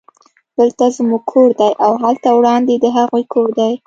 دلته زموږ کور دی او هلته وړاندې د هغوی کور دی